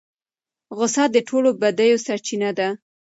غصه د ټولو بدیو سرچینه ده.